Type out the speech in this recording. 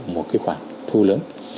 một cái khoản thu lớn